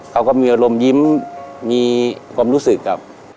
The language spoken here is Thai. เขาก็มีอารมณ์ยิ้มมีความรู้สึกกับ